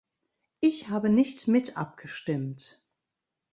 Ich habe nicht mit abgestimmt.